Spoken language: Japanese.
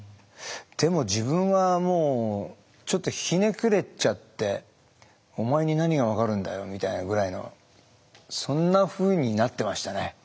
でも自分はもうちょっとひねくれちゃってお前に何が分かるんだよみたいなぐらいのそんなふうになってましたね。